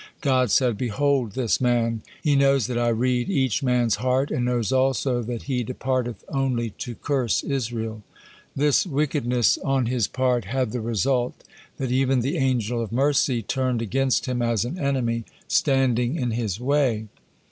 God said, "Behold, this man! He knows that I read each man's heart, and knows also that he departeth only to curse Israel." This wickedness on his part had the result that even the Angel of Mercy turned against him as an enemy, standing in his way.